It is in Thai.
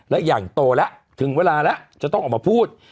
และอย่างโตแล้วถึงเวลาแล้วจะต้องออกมาพูด